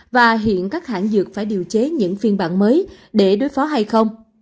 và hiện các hãng dược phải điều chế những phiên bản mới để đối phó hay không